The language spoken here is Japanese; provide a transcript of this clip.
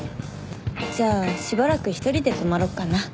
じゃあしばらく１人で泊まろっかな。